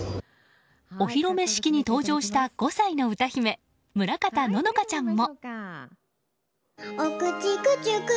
お披露目式に登場した５歳の歌姫、村方乃々佳ちゃんも。